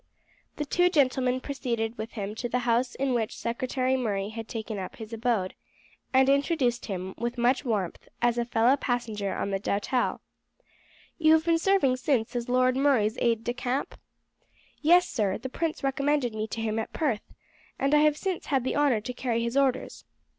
The two gentlemen proceeded with him to the house in which Secretary Murray had taken up his abode, and introduced him, with much warmth, as a fellow passenger on board the Doutelle. "You have been serving since as Lord Murray's aide de camp?" "Yes, sir, the prince recommended me to him at Perth, and I have since had the honour to carry his orders."